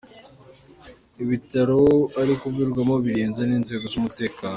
Ibitaro ari kuvurirwamo birinzwe n’inzego z’umutekano.